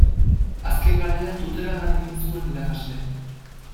Azken garaian Tuteran lan egin zuen irakasle.